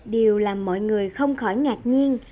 điều làm mọi người không khỏi ngạc nhiên